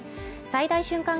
最大瞬間